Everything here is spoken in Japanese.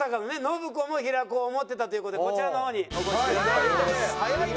信子も平子を想ってたという事でこちらの方にお越しください。